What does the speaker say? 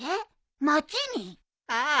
ああ！